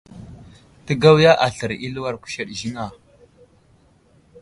Təgawiya aslər i aluwar kuseɗ ziŋ a ?